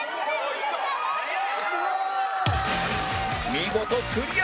見事クリア！